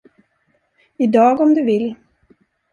I dag, om du vill.